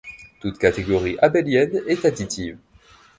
Toute catégorie abélienne est additive.